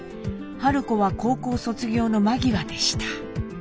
子は高校卒業の間際でした。